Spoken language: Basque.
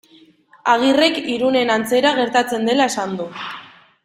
Agirrek Irunen antzera gertatzen dela esan du.